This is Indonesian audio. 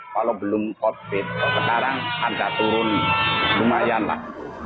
kalau belum covid kalau kejaran harga turun lumayan lah